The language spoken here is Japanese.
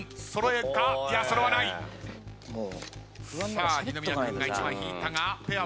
さあ二宮君が１枚引いたがペアは？